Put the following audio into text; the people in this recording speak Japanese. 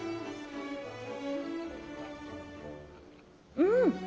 うん。